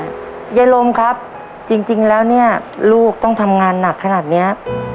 ยายลมครับจริงแล้วเนี่ยลูกต้องทำงานหนักขนาดเนี้ย